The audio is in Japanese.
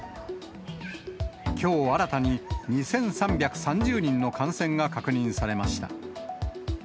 きょう、新たに２３３０人の感染が確認されました。